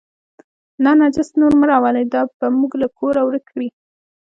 دا نجس نور مه راولئ، دا به موږ له کوره ورک کړي.